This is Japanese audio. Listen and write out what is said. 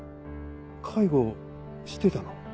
介護してたの？